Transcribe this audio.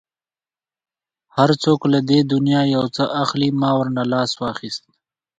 هر څوک له دې دنیا یو څه اخلي، ما ورنه لاس واخیست.